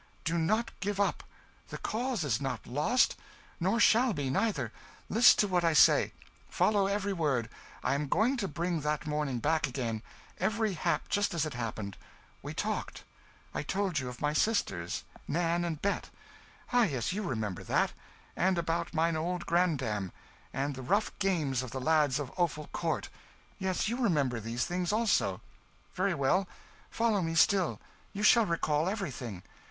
Do not give up! the cause is not lost! Nor shall be, neither! List to what I say follow every word I am going to bring that morning back again, every hap just as it happened. We talked I told you of my sisters, Nan and Bet ah, yes, you remember that; and about mine old grandam and the rough games of the lads of Offal Court yes, you remember these things also; very well, follow me still, you shall recall everything.